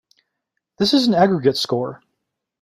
This is an aggregate score.